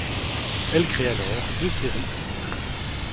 Elle crée alors deux séries distinctes.